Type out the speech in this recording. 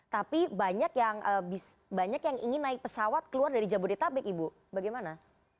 tapi banyak yang ingin naik pesawat keluar dari jabodetabek ibu bagaimana